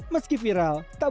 meski viral tak berhasil